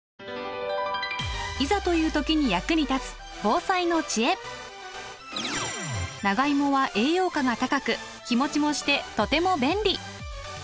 いざという時に役に立つ長芋は栄養価が高く日もちもしてとても便利。